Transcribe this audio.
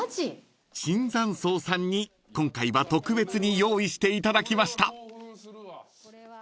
［椿山荘さんに今回は特別に用意していただきました］